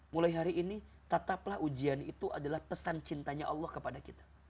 mulai hari ini tetaplah ujian itu adalah pesan cintanya allah kepada kita